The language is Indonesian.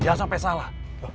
jangan sampai salah